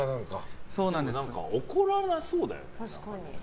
何か怒らなさそうだよね。